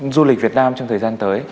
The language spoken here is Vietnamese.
du lịch việt nam trong thời gian tới